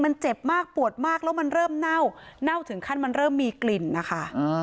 มันเจ็บมากปวดมากแล้วมันเริ่มเน่าเน่าถึงขั้นมันเริ่มมีกลิ่นนะคะ